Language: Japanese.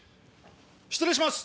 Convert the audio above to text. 失礼します！